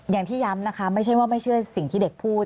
อย่างที่ย้ำนะคะไม่ใช่ว่าไม่เชื่อสิ่งที่เด็กพูด